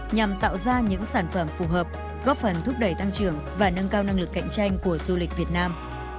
nhằm tạo ra những sản phẩm phù hợp góp phần thúc đẩy tăng trưởng và nâng cao năng lực cạnh tranh của du lịch việt nam